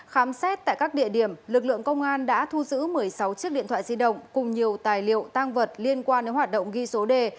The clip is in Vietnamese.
khám xét tại các địa điểm lực lượng công an đã thu giữ một mươi sáu chiếc điện thoại di động cùng nhiều tài liệu tăng vật liên quan đến hoạt động ghi số đề